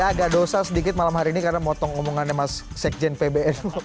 saya agak dosa sedikit malam hari ini karena motong ngomongannya mas sekjen pbn